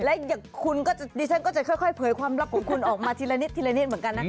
และดิฉันก็จะค่อยเผยความลับของคุณออกมาทีละนิดทีละนิดเหมือนกันนะคะ